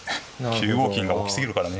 ９五金が大きすぎるからね。